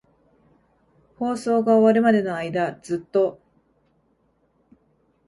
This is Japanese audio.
放送が終わるまでの間、ずっと。